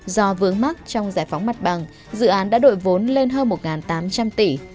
do vướng mắc trong giải phóng mặt bằng dự án đã đội vốn lên hơn một tám trăm linh tỷ